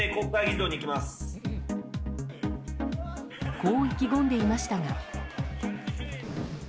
こう意気込んでいましたが。